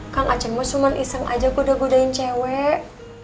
kang aceng mah cuman iseng aja goda godain cewek